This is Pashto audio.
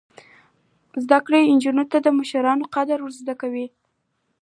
زده کړه نجونو ته د مشرانو قدر ور زده کوي.